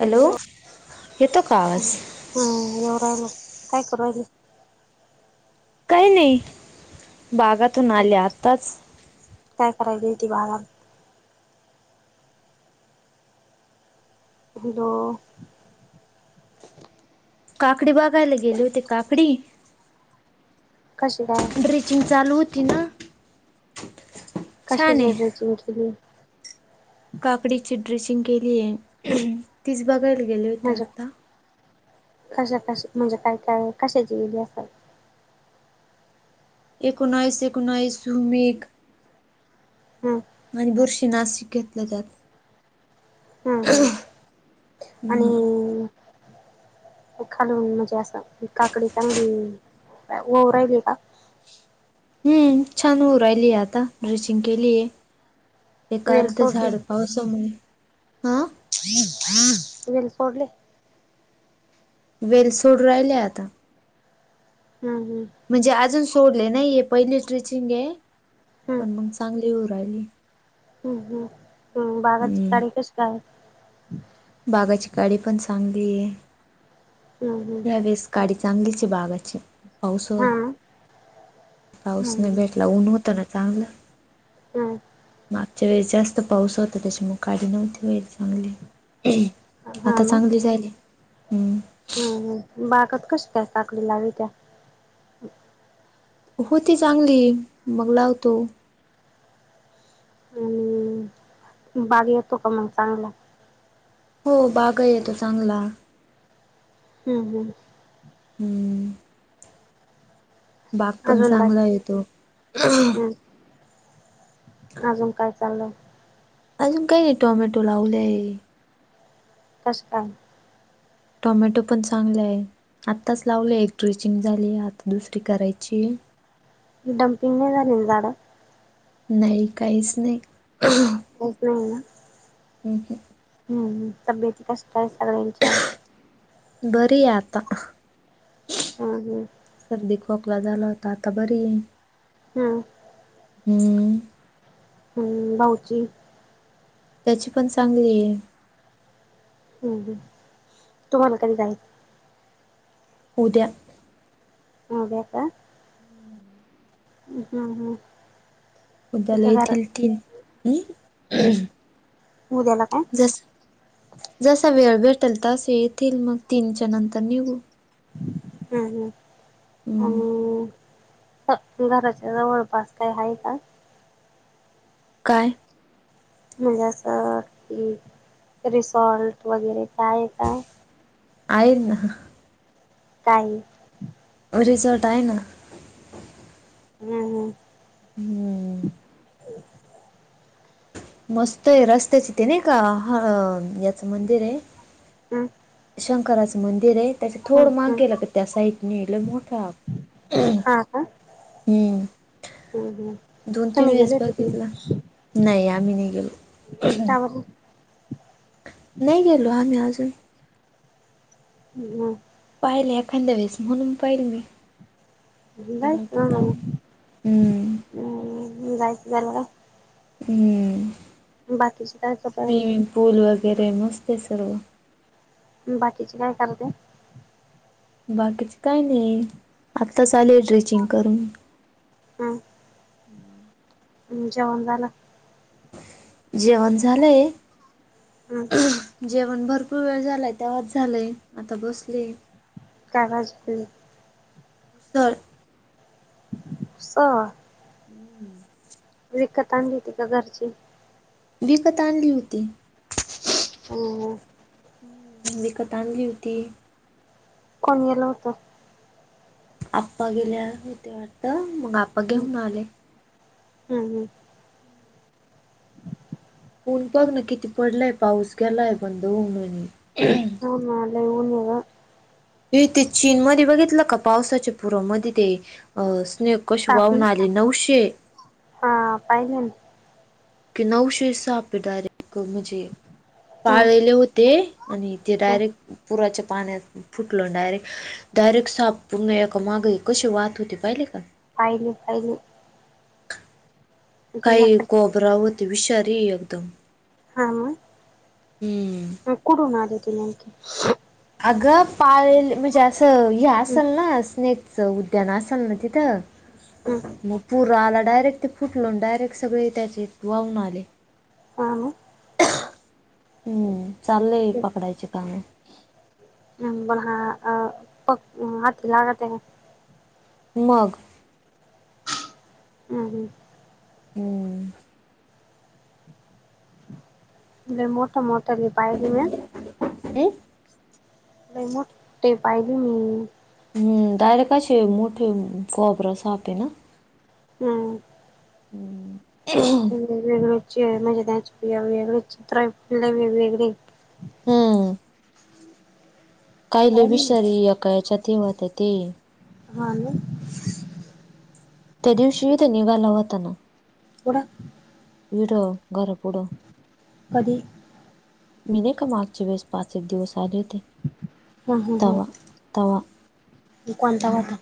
Hello येतो का आवाज. हम्म राहिला काय करूराहीली. काय नाही बागातून आले आत्ताच. काय करायलाती बागात. हो. काकडी बघायला गेले होते काकडी. कशी काय. ड्रिचिंग चालू होती ना. कस छान आहे. जेवचीिंकली [unintelligible] काकडीची ड्रेसिंग केली आहे तीच बघायला गेले होते म्हणजे आता. कशा क म्हणजे काय काय कशाची गेली असल एकोनाइस एकोनाइस झुमिक हम्म. आणि बुरशी नाशिक घेतलं जात. हम्म हम्म हम्म. आणि खालून म्हणजे असं काकडी चांगली राहिली का. हम्म छान होऊ राहिली आहे आता ड्रेशिंग केलीय एक वेल अर्ध सोडले झाड होऔ समय हा विल्पडली [unintelligible] वेल सोडू राहिलय आता हम् हम्म. म्हणजे अजून सोडले नाहीय पहिली स्ट्रिचिंग ये हम्म पण मग चांगली होऊ राहिली. हम्म हम् हम् बागाची हम्म तारी कस काय. बागाची काडी पण चांगली ये. हम्म हम्म या वेळेस काडी चांगलीची बागाची पाऊस हा ना. पाऊसने हम्म भेटला ऊन होत ना चांगलं. हम्. मागच्या वेळेस जास्त पाऊस होता त्याच्यामुग काडी नव्हती होईल चांगली. आता चांगली झाली हम्म. ह बागत कशी काय साखळी लागवी त्या होती चांगली मग लावतो. आणि बाग येतो का मग चांगला. हो बाघा येतो चांगला. हम्म हम्. हम्म. बाग पण अजून बा चांगला येतो हम् अजून काय चालल. अजून काय नाही टॉमॅटो लावलेय. कष्ट. टोमॅटो पण चांगलाय आत्ताच लावलं एक ट्रिचिंग झाली आता दुसरी करायची. डम्पिंग नाही झाली झाडं. नाही काहीच नाही. नाही ना हम्म, हम्म तब्येत कशा काय सगळ्यांच्या. बरी आहे आता हम्म हम्म सर्दी खोक ला झाला होता आता बरी आहे. हम्म. हम्म. ह बऊची. त्याची पण चांगली आहे. हम् तुम्हाला कधी जाईच. उद्या. [unintelligible] आता. हम्मं हम्म. उद्याल तिथं घर येतील ती. उद्याला काय? जस जसा वेळ भेटेल तस येतील मग तीनच्या नंतर निघू. हं हं हम्म आणि घराच्या जवळपास काय आहे का? काय? म्हणजे असं की रिसॉर्ट वगैरे का आहे का? आहे ना. काये? रिझॉर्ट आहे ना. हम्म हम्म. हम्म. मस्त आहे रस्त्याची ते नाही का हा याचं मंदिर आहे. अ शंकराचं मंदिर आहे. त्याच्या थोडं हम्म हम्म मागेला क त्या साहितने लई मोठा. हा का हम्म. हम्म हम्म दोन तीन तुम्ही वेळेस गेले होते बघितल की नाही आम्ही नाही गेलो. का बर नाही गेलो आम्ही अजून. ह् हम. पाहिले एखाद्या वेळेस म्हणून पाहिल मी. केलं जायच होत ना जाऊन मग हम्म. हम्म जायच झाल का? हम्म. बाकीचे काय [unintelligible] फुल वगैरे मस्ते सर्व. बाकीचे काय करते. बाकीच काय नाही आताच आले ड्रेचिंग करून. हा. [unintelligible] जेवण झाले. हा. जेवण भरपूर वेळ झालाय तेव्हाच झालंय आता बसले. काका आज प्लि सर स हम्म. विकत आणली त का घरचे. विकत आणली होती. हम हम. विकत आणली होती. कोण गेलं होतं. आप्पा गेल्या होते वाटत मग आप्पा घेऊन आले. हम्म हम्म ऊन बघ ना किती पडलाय पाऊस गेलाय बंद होऊन आणि [unintelligible] हेथ चीन मध्ये बघितलं का पावसाच्या पुराव मध्ये ते अ स्नेक कसे वाहून सापनी आले. नऊशे हा पाहिले. कि नऊशे साहापे डायरेक्ट म्हणजे हम्म पाळलेले होते. आणि तेे हम्म डायरेक्ट पुराच्या पाण्यात फुटलं डायरेक्ट डायरेक्ट साफण एका मागे कशी वाात होते पहिले का पाहिले पाहिले. काही याकडे कोब होते विषारी एकदम. हा हम्म मग कडून आ ते नेमके अगं पाळल म्हणजे असं हे हम्म असल ना स्नेक. स उद्याना असल ना तिथ. ह मग पुर आला डायरेक्ट ते फुटलो डायरेक्ट सगळे त्याचे वाहून आले. हां मग. हम्म चालले पकडायचे कामं. ब ह अ प हात लागत [unintelligible] मग. हम् हम. होय. लय मोठा मोठाली पायली मै हम. लय मोठ पाहिली मी. हम डायरेक्ट असे मोठे कोब्रा हाय ना. हम्म. हम् [inaudible] वेग मजचीि वेगळे चित्र फु वेगवेगळे [inaudible] हम्म कायले पाहिले ना विषारी याकाळच्या तेवत आहे ते हा ना. त्या दिवशी त्या निघाला होताना. कुठे. वीड घरपुड. कधी. मी नाही का मागच्या वेळेस पाचेच दिवस आले होते हम्म हम्म तवा्हा हम्म तवा्हा. कोणता होता.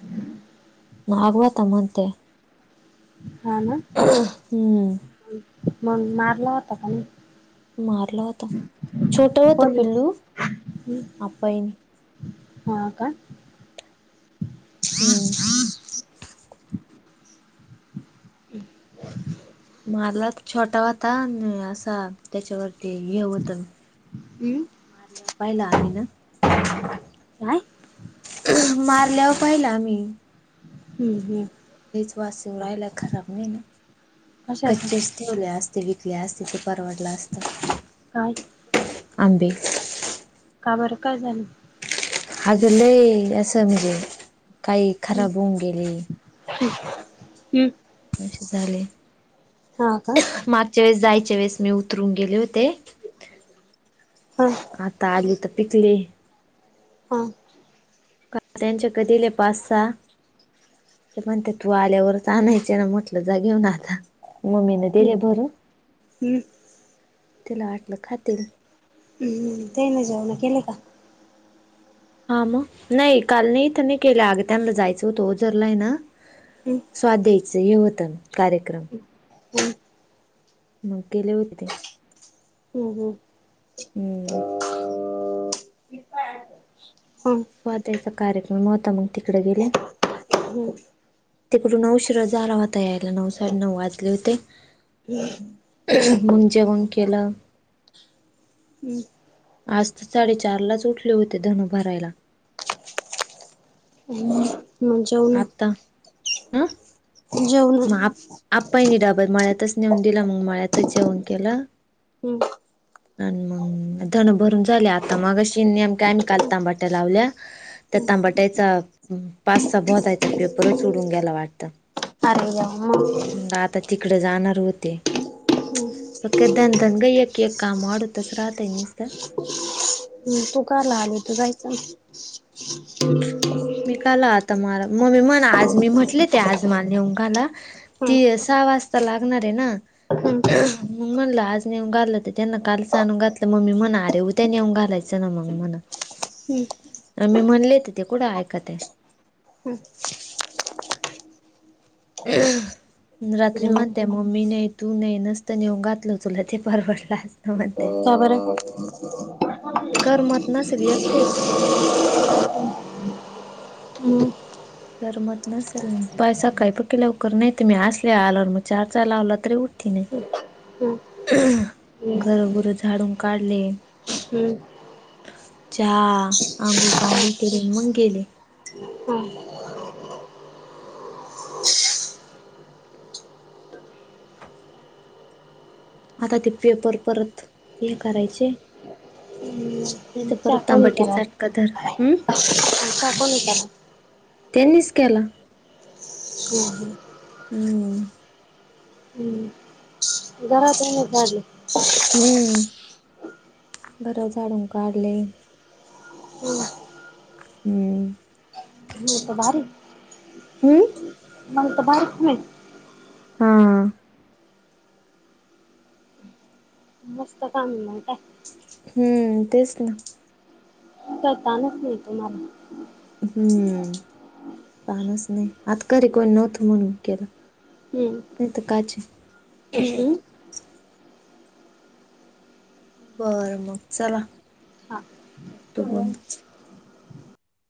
नाग होता म्हणते हा ना हम्म मग मारला होता का नाही. मारला वाता चोट वात कोणी पिल्ल अ [unintelligible] बाईनी हा का. हम्. मारला छोटा होता आणि असा त्याच्यावरती हे होत. हम. पहिला आमी ना. काय मारल्यावर पाहिला आम्ही. ह ह. लईच वास येऊन राहिला खराब हाय नं कशाच कच्चे ठेवल्या असते विकल्या असते ते परवडलं असत. काय. आंबे. का बरं काय झाल. अजून लय असं म्हणजे काही खराब होऊन गेले. ह हम् [inaudible] [unintelligible] झाले. हां. चेस जायच्या वेळेस मी उतरून गेले होते. रिकामा ऑडिओ आता आली तर पिकली. हम्म त्यांच्या कधीले पाच सहा. ते म्हणते तू आल्यावरच आणायचे ना म्हटलं जा घेऊन आता मम्मीने... दिले हम्म बर हम्म तिला वाटलं खातील. तेन जेवण केली का? हा मग नाही काल नाही इथनी केलं अगत्यांना जायचं होतं ओ झरला हाय नं.. हम्म स्वाध्यायाचं हे होत ना कार्यक्रम. हम्म मग गेले होते. हम् हम. हम्म. हम्म स्वाध्याय चा कार्यक्रम होता मग तिकडे गेले. हो. तिकडून उशीरच झाला होता यायला नऊ साडे नऊ वाजले होते. ह. मग जेवण केलं.. आज तर साडेचार लाच उठले होते धनं भरायला. रिकामा ऑडिओ म्हज.. आता अ जेवण म आप आपपायनी डाबत माळ्यातच नेऊन दिला मग माळ्यातच जेवण केलं.. हम्म आणि मग धन भरून झाले आता मग अशी नेम का आम्ही काल तांबाट्या लावल्या. तर तांबाटायचा पासचा बधयचा पेपरच उडून गेला वाटतं आर व्वा.. तिकडं जाणार होते. मंग काय दणदन ग एक एक जाम वाढतच राहत निस्त. तु का आला आली तु जायचं नं! मी काल आता मला मग् मण आज मी म्हटले ते आज म नेऊनघाला.. ती हम्म सहा वाजता लागणार आहे ना! हम्म मग म्हणलं आज नेऊ घाललं तर त्यांना काल सनू घातलं मम्मी म्हणा अरे उ ते नेऊन घालायचं ना मग म्हण हम्म मी म्हणले त ते कुठं ऐकत्यात? हमं. रिकामा ऑडिओ रात्री म्हणते मम्मी नाही तू नाही नसत नेऊ घातल तुला ते परवडलं असत म्हणते.. का बरं? रिकामा ऑडिओ कर मत नसली एकटेच. हम्म कररमत नसेल मग पैसा काही प के लवकर नाही तर मी हसले आल मग चारचाार लावला तरी उठती नाही. हम्म हम्म [unintelligible] घरोघरं झाडून काढले. हम्म चहा अंगुळ पांगूळ केले मग गेले. हम्. [unintelligible] आता ते पेपर परत हे करायचे. नाही हम्म तर चहा परत कोणी तांबाटीच केला अटक धर. टाकून विचारा त्यांनीच केला. हम् हम्. अ अ. रिकामा ऑडिओ घरात रा झाली. हम्म बरं झाडून काढले. हम्म. [inaudible] मग भारी. हम्म. मंत भारत म. हा. जास्त काम म्हत. हम्म तेच ना. कतानच नाही तुम्हाला. हम्म पाणच नाही आता ख रे कोण नव्हतं म्हणून केलं. हम्म. मत कच. हम्म बर मग चलात. हा